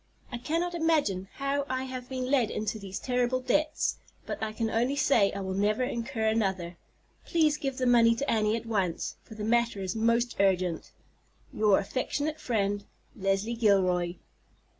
I cannot imagine how I have been led into these terrible debts; but I can only say I will never incur another. Please give the money to Annie at once, for the matter is most urgent. "Your affectionate friend, "Leslie Gilroy."